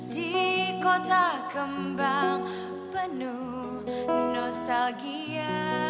di kota kembang penuh nostalgia